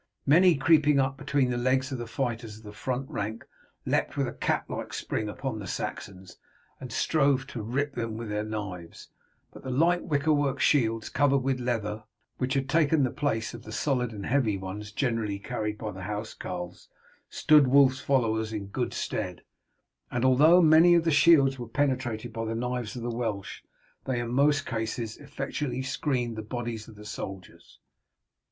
Many creeping between the legs of the fighters of the front rank leapt with a cat like spring upon the Saxons, and strove to rip them with their knives, but the light wicker work shields covered with leather, which had taken the place of the solid and heavy ones generally carried by the housecarls, stood Wulf's followers in good stead; and although many of the shields were penetrated by the knives of the Welsh, they in most cases effectually screened the bodies of the soldiers.